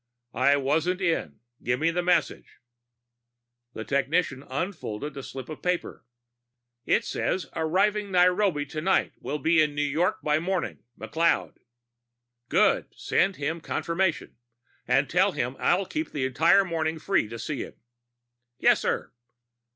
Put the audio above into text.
"I wasn't in. Give me the message." The technician unfolded a slip of paper. "It says, 'Arriving Nairobi tonight, will be in New York by morning. McLeod.'" "Good. Send him confirmation and tell him I'll keep the entire morning free to see him." "Yes, sir."